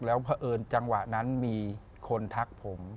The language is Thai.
แล้วเพราะเอิญจังหวะนั้นมีคนทักผม